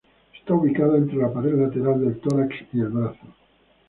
Está ubicada entre la pared lateral del tórax y el brazo.